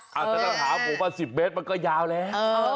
แต่ถ้าถามผมว่า๑๐เมตรมันก็ยาวแล้ว